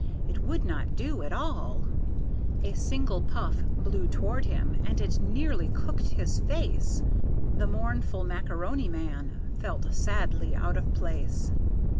it would not do at all! A single puff blew toward him, and it nearly cooked his face! The mournful Macaroni Man felt sadly out of place.